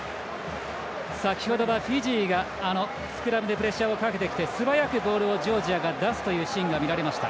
先ほどはフィジーがスクラムでプレッシャーをかけてきて素早くボールをジョージアが出すシーンが見られました。